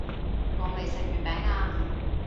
我未食月餅啊